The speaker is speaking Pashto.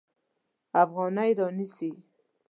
افغانۍ رانیسي.